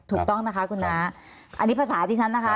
ถูกต้องนะคะคุณน้าอันนี้ภาษาที่ฉันนะคะ